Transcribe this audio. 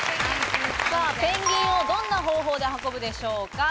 ペンギンをどんな方法で運ぶでしょうか？